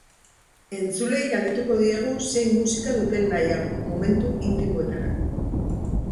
Entzuleei galdetuko diegu zein musika duten nahiago momentu intimoetarako.